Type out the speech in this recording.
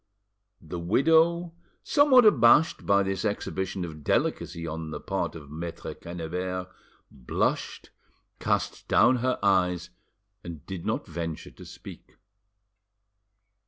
The widow, somewhat abashed by this exhibition of delicacy on the part of Maitre Quennebert, blushed, cast down her eyes, and did not venture to speak.